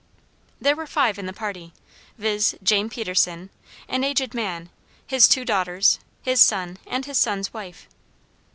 There were five in the party, viz. James Peterson, an aged man, his two daughters, his son, and his son's wife.